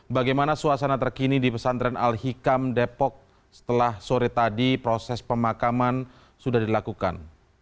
bagaimana suasana terkini di pesantren al hikam depok setelah sore tadi proses pemakaman sudah dilakukan